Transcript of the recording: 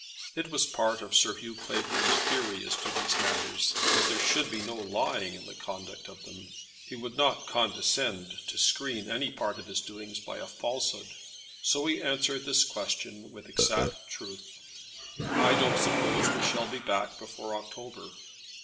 It was part of Sir Hugh Clavering's theory as to these matters that there should be no lying in the conduct of them. He would not condescend to screen any part of his doings by a falsehood; so he answered this question with exact truth. "I don't suppose we shall be back before October."